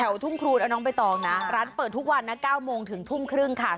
ทุ่งครูนะน้องใบตองนะร้านเปิดทุกวันนะ๙โมงถึงทุ่มครึ่งค่ะ